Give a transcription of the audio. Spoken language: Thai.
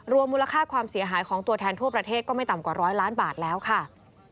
มูลค่าความเสียหายของตัวแทนทั่วประเทศก็ไม่ต่ำกว่าร้อยล้านบาทแล้วค่ะ